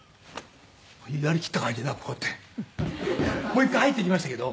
やりきった感じでなんかこうやってもう一回入っていきましたけど。